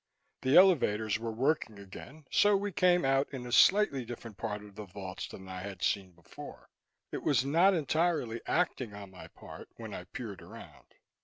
The elevators were working again, so we came out in a slightly different part of the vaults than I had seen before; it was not entirely acting on my part when I peered around.